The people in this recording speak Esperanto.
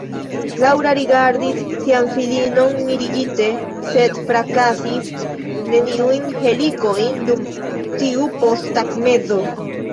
Laŭra rigardis sian filinon mirigite, sed frakasis neniujn helikojn dum tiu posttagmezo.